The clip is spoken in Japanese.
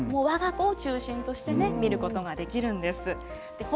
もう、わが子を中心としてね、見ることができるんです。